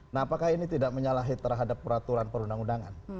nah apakah ini tidak menyalahi terhadap peraturan perundang undangan